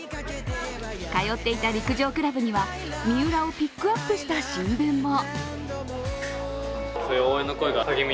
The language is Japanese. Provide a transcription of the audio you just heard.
通っていた陸上クラブには三浦をピックアップした新聞も。